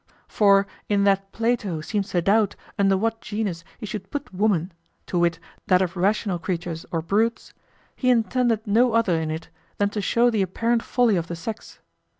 For in that Plato seems to doubt under what genus he should put woman, to wit, that of rational creatures or brutes, he intended no other in it than to show the apparent folly of the sex.